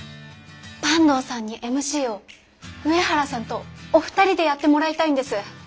坂東さんにＭＣを上原さんとお二人でやってもらいたいんです。